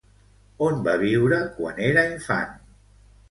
On va viure quan era infant?